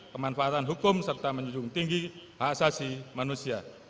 pemanfaatan hukum serta menjunjung tinggi hak asasi manusia